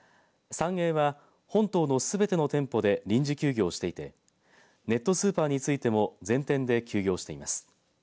サンエーは本島のすべての店舗で臨時休業していてネットスーパーについても全店で休業しています。